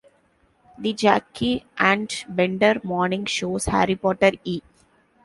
The Jackie and Bender morning show's Harry Potter E!